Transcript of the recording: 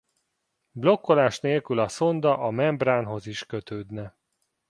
Blokkolás nélkül a szonda a membránhoz is kötődne.